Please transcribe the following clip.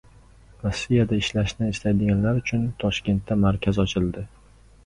Rossiyada ishlashni istaydiganlar uchun Toshkentda markaz ochildi